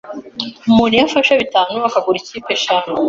Umuntu iyo afashe bitanu akagura ikipe eshanu